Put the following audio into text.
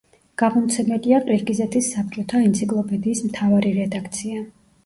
გამომცემელია ყირგიზეთის საბჭოთა ენციკლოპედიის მთავარი რედაქცია.